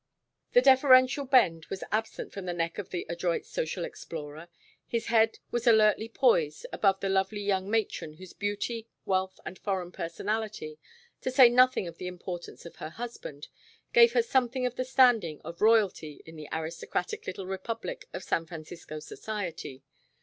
The deferential bend was absent from the neck of the adroit social explorer, his head was alertly poised above the lovely young matron whose beauty, wealth, and foreign personality, to say nothing of the importance of her husband, gave her something of the standing of royalty in the aristocratic little republic of San Francisco Society.